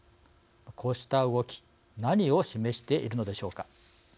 こうした動き何を示しているのでしょうか。